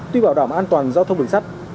tuy bảo đảm an toàn giao thông đường sắt